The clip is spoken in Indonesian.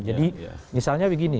jadi misalnya begini